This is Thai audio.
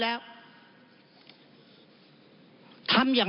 จึงฝากกลับเรียนเมื่อเรามีการแก้รัฐพาหารกันอีก